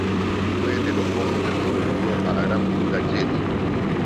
Fue de los pocos que sobrevivió a la Gran Purga jedi.